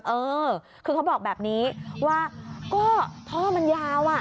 เออคือเขาบอกแบบนี้ว่าก็ท่อมันยาวอ่ะ